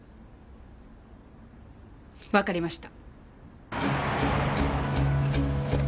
わかりました。